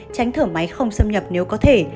tránh thở máy không xâm nhập nếu có thể